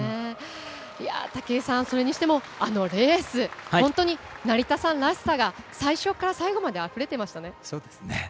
武井さん、それにしてもレース本当に成田さんらしさが最初から最後まであふれてましたね。